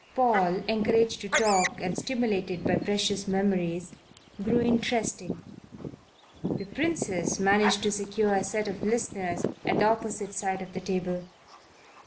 Paul, encouraged to talk and stimulated by precious memories, grew interesting. The Princess managed to secure a set of listeners at the opposite side of the table.